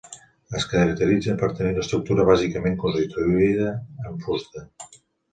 Es caracteritza per tenir l'estructura bàsicament construïda en fusta.